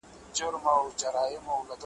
شمع ده چي مړه سي رڼا نه لري ,